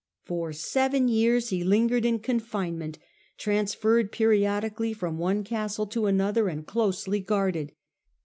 For seven years he lingered in confinement, transferred periodically from one castle to another and closely guarded.